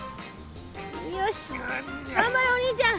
よしがんばれお兄ちゃん。